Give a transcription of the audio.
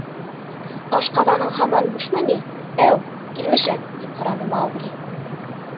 — Ашҡаҙаның һаман бушмы ни, әү, килмешәк? — тип һораны Маугли.